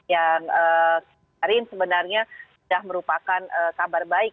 yang kemarin sebenarnya sudah merupakan kabar baik